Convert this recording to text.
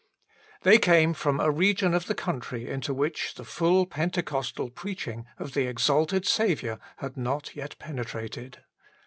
They came from a region of the country into which the full Pentecostal preach ing of the exalted Saviour had not yet penetrated.